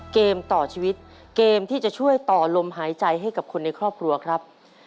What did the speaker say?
เกมต่อชีวิตเกมที่จะช่วยต่อลมหายใจให้กับคนในครอบครัวครับ